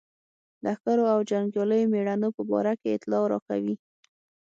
لښکرو او جنګیالیو مېړنو په باره کې اطلاع راکوي.